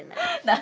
何？